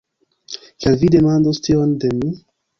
Kial vi demandus tion de mi?